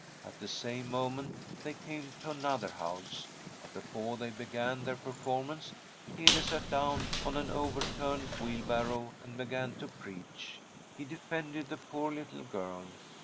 At the same moment they came to another house, but before they began their performance Hede sat down on an overturned wheelbarrow and began to preach. He defended the poor little girl.